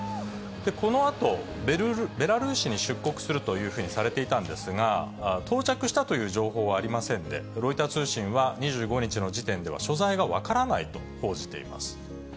このあと、ベラルーシに出国するというふうにされていたんですが、到着したという情報はありませんで、ロイター通信は２５日の時点では、所在が分からないと報じています。